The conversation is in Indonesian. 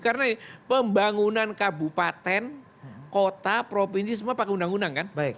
karena pembangunan kabupaten kota provinsi semua pakai undang undang kan